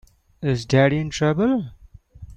Is Daddy in trouble?